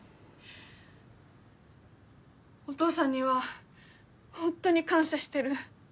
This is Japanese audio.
お父さんにはホントに感謝してる。